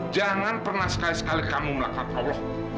jangan pernah sekali sekali kamu melakukan allah